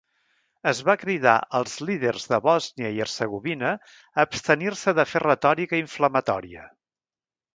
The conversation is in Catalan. Es va cridar als líders de Bòsnia i Hercegovina a abstenir-se de fer retòrica inflamatòria.